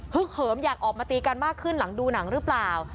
เหิมอยากออกมาตีกันมากขึ้นหลังดูหนังหรือเปล่า